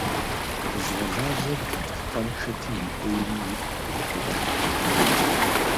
Дызыгъэлажьэр бгъэдыхьэпӏэншэти, и ӏейри ифӏри къыпхуэщӏэртэкъым.